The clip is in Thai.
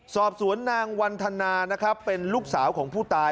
สอบสวนนางวันธนานะครับเป็นลูกสาวของผู้ตาย